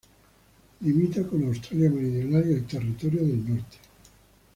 Limita con Australia Meridional y el Territorio del Norte.